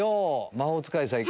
魔法使いさん。